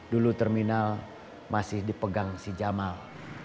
dulu terminal masih dipegang si jamal